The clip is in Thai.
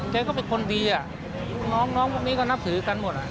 แกก็เป็นคนดีอ่ะลูกน้องพวกนี้ก็นับถือกันหมดอ่ะ